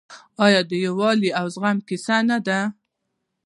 آیا د یووالي او زغم کیسه نه ده؟